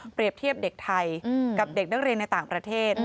เทียบเด็กไทยกับเด็กนักเรียนในต่างประเทศ